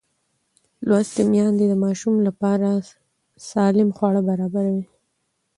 لوستې میندې د ماشوم لپاره سالم خواړه برابروي.